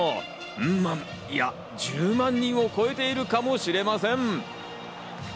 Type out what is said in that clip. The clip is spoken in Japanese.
うん万、いや、うん１０万を超えているかもしれません。